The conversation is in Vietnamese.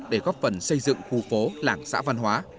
để góp phần xây dựng khu phố làng xã văn hóa